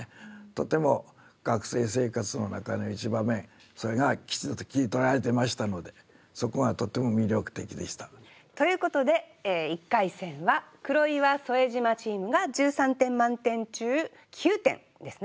とても学生生活の中の一場面それがきちんと切り取られてましたのでそこがとても魅力的でした。ということで１回戦は黒岩副島チームが１３点満点中９点ですね。